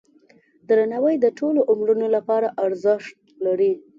درناوی د ټولو عمرونو لپاره ارزښت لري.